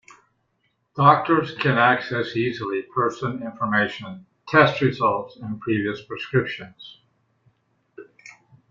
Doctors can access easily person information, test results, and previous prescriptions.